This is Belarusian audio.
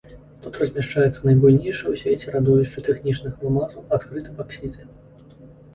Тут размяшчаюцца найбуйнейшыя ў свеце радовішчы тэхнічных алмазаў, адкрыты баксіты.